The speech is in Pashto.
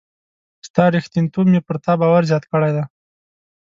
ستا ریښتینتوب مي پر تا باور زیات کړی دی.